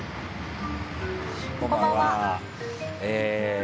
こんばんは。